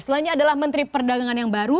selanjutnya adalah menteri perdagangan yang baru